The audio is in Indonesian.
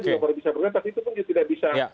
juga baru bisa bergerak tapi itu pun juga tidak bisa